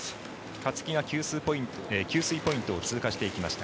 勝木が給水ポイントを通過していきました。